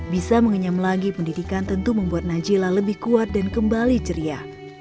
bisa mengenyam lagi pendidikan tentu membuat najila lebih kuat dan kembali ceria